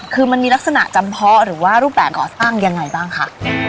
คือมันมีลักษณะจำเพาะหรือว่ารูปแบบก่อสร้างยังไงบ้างคะ